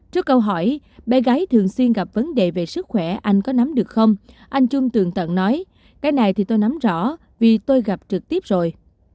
trước câu hỏi bé gái thường xuyên gặp vấn đề về sức khỏe anh có nắm được không anh trung tường tận nói cái này thì tôi nắm rõ vì tôi gặp trực tiếp rồi